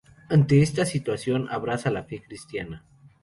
Ante esta situación, abraza la fe cristiana.